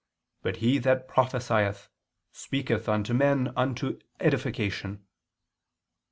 . but he that prophesieth, speaketh unto men unto edification."